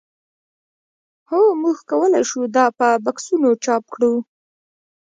هو موږ کولی شو دا په بکسونو چاپ کړو